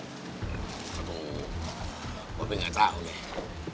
aduh mba be gak tahu deh